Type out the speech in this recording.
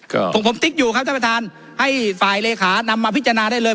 ของผมติ๊กอยู่ครับท่านประธานให้ฝ่ายเลขานำมาพิจารณาได้เลย